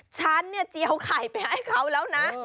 ฉันเนี่ยเจียวไข่ไปให้เขาแล้วนะ